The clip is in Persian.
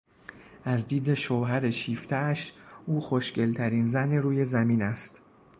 از دید شوهر شیفتهاش، او خوشگلترین زن روی زمین است.